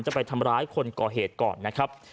จะไปทำร้ายคนก่อเหตุก่อนนะครับ